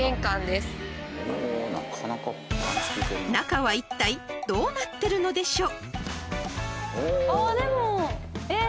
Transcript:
［中はいったいどうなってるのでしょう？］